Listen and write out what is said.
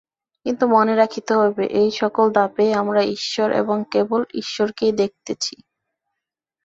কিন্তু মনে রাখিতে হইবে, এই সকল ধাপেই আমরা ঈশ্বর এবং কেবল ঈশ্বরকেই দেখিতেছি।